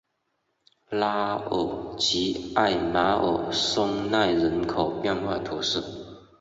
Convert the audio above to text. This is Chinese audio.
拉尔吉艾马尔松奈人口变化图示